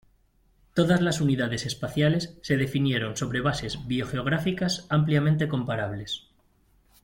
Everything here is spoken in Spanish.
Todas las unidades espaciales se definieron sobre bases biogeográficas ampliamente comparables.